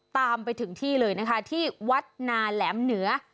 ตามไปถึงที่เลยนะคะที่วัดนาแหลมเหนือ